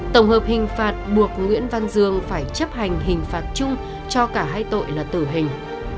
tổng hợp hình phạt buộc nguyễn văn dương phải chấp hành hình phạt chung cho cả hai tội là tử hình